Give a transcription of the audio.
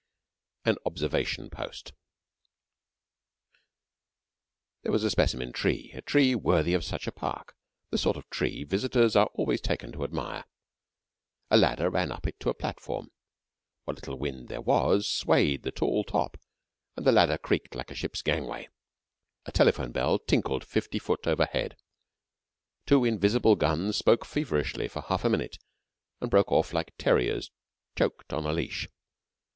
AN OBSERVATION POST There was a specimen tree a tree worthy of such a park the sort of tree visitors are always taken to admire. A ladder ran up it to a platform. What little wind there was swayed the tall top, and the ladder creaked like a ship's gangway. A telephone bell tinkled 50 foot overhead. Two invisible guns spoke fervently for half a minute, and broke off like terriers choked on a leash.